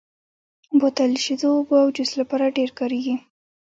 بوتل د شیدو، اوبو او جوس لپاره ډېر کارېږي.